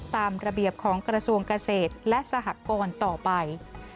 ตามระเบียบของกระทรวงเกษตรและสหกรต่อไป